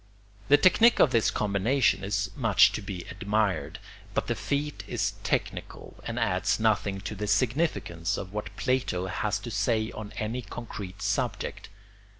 The technique of this combination is much to be admired; but the feat is technical and adds nothing to the significance of what Plato has to say on any concrete subject.